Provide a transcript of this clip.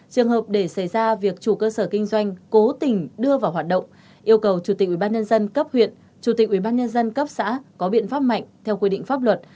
trường hợp để xảy ra việc chủ cơ sở kinh doanh cố tình đưa vào hoạt động yêu cầu chủ tịch ubnd cấp huyện chủ tịch ubnd cấp xã có biện pháp mạnh theo quy định pháp luật